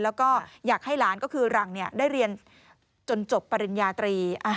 แล้วก็อยากให้หลานก็คือหลังได้เรียนจนจบปริญญาตรี